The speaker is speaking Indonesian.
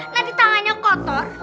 nanti tangannya kotor